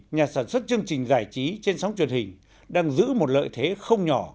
nhà sản xuất chương trình giải trí trên sóng truyền hình đang giữ một lợi thế không nhỏ